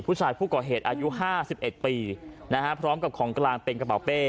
ผู้ก่อเหตุอายุห้าสิบเอ็ดปีนะฮะพร้อมกับของกลางเป็นกระเป๋าเป้